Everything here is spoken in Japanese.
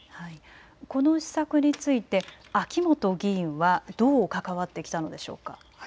この施策について秋本議員はどう関わってきたのでしょうか。